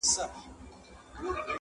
د انسان زړه آیینه زړه یې صیقل دی!.